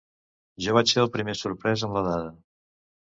Jo vaig ser el primer sorprès amb la dada.